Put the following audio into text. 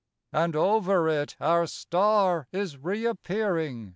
And over it our star is re appearing!